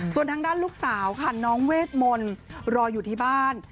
ส่วนทางด้านลูกสาวค่ะน้องเวทมนต์รออยู่ที่บ้าน